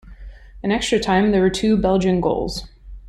In extra time, there were two Belgian goals.